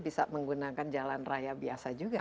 bisa menggunakan jalan raya biasa juga